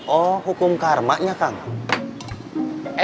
oh hukum karmanya kangen